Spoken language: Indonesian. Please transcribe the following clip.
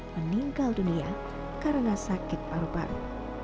meninggal dunia karena sakit paru paru